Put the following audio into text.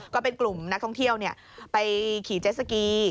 ก็เป็นกลุ่มนักท่องเที่ยวไปขี่เจสสกี